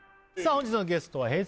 本日のゲストはＨｅｙ！